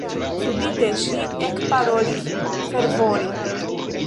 Subite ŝi ekparolis fervore: